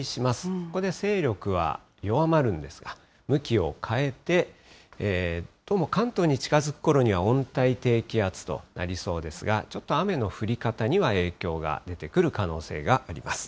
ここで勢力は弱まるんですが、向きを変えて、どうも関東に近づくころには温帯低気圧となりそうですが、ちょっと雨の降り方には影響が出てくる可能性があります。